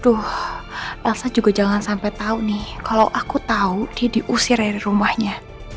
duh elsa juga jangan sampai tau nih kalau aku tau dia diusir dari rumahnya